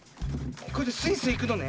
これでスイスイいくのね。